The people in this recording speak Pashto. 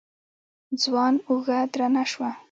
ځوان اوږه درنه شوه.